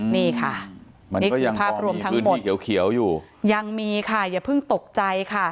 นี่ค่ะนี่คือภาพรวมทั้งหมดยังมีค่ะอย่าเพิ่งตกใจค่ะ